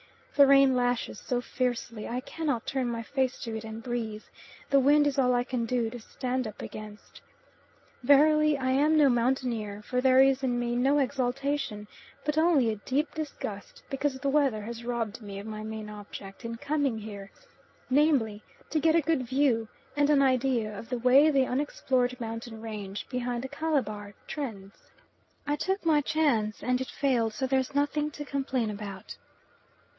The rain lashes so fiercely I cannot turn my face to it and breathe, the wind is all I can do to stand up against. Verily I am no mountaineer, for there is in me no exultation, but only a deep disgust because the weather has robbed me of my main object in coming here, namely to get a good view and an idea of the way the unexplored mountain range behind Calabar trends. I took my chance and it failed, so there's nothing to complain about.